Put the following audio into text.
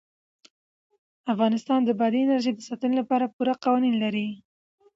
افغانستان د بادي انرژي د ساتنې لپاره پوره قوانین لري.